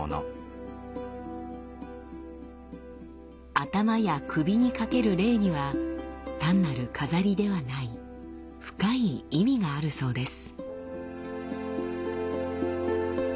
頭や首にかけるレイには単なる飾りではない深い意味があるそうです。